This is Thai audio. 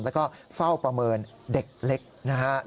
แล้วก็เฝ้าประเมินเด็กเล็กนะครับ